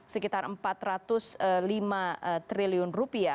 sekitar rp empat ratus lima triliun